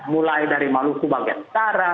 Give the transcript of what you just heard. mulai dari maluku bagian utara